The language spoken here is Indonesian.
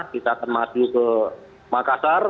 kita akan maju ke makassar